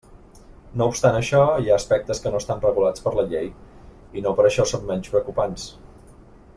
No obstant això, hi ha aspectes que no estan regulats per la llei, i no per això són menys preocupants.